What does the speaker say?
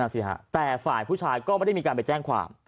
สิฮะแต่ฝ่ายผู้ชายก็ไม่ได้มีการไปแจ้งความ